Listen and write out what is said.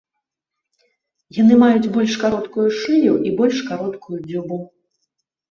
Яны маюць больш кароткую шыю і больш кароткую дзюбу.